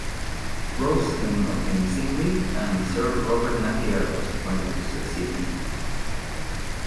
Rose then obtained sick leave and Sir Robert Napier was appointed to succeed him.